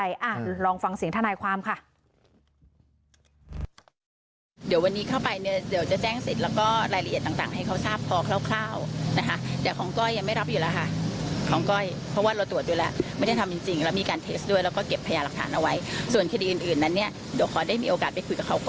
ลองฟังเสียงทนายความค่ะ